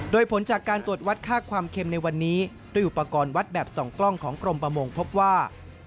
โดยผลจากการตรวจวัดค่าความเค็มในวันนี้ด้วยอุปกรณ์วัดแบบ๒กล้องของกรมประมงพบว่า